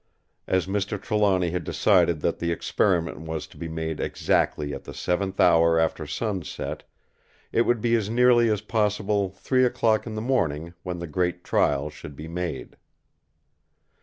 As Mr. Trelawny had decided that the experiment was to be made exactly at the seventh hour after sunset, it would be as nearly as possible three o'clock in the morning when the great trial should be made.